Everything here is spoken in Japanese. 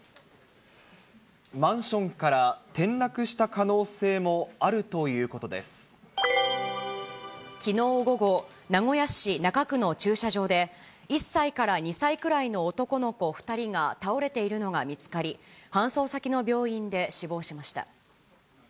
マンションから転落した可能きのう午後、名古屋市中区の駐車場で、１歳から２歳くらいの男の子２人が倒れているのが見つかり、搬送先の病院で死亡しました。